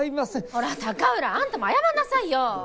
ほら高浦あんたも謝んなさいよ。